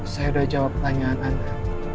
saya sudah jawab pertanyaan anda